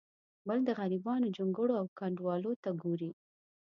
بل د غریبانو جونګړو او کنډوالو ته ګوري.